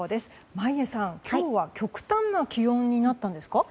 眞家さん、今日は極端な気温になったんですか。